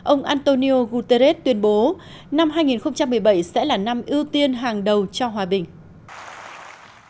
ông antonio guterres tuyên bố năm hai nghìn một mươi bảy sẽ là năm ưu tiên hàng đầu cho hòa bình